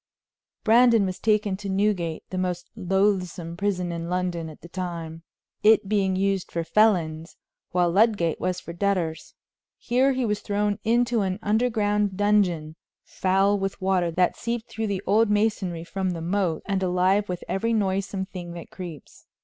Brandon was taken to Newgate, the most loathsome prison in London at that time, it being used for felons, while Ludgate was for debtors. Here he was thrown into an underground dungeon foul with water that seeped through the old masonry from the moat, and alive with every noisome thing that creeps.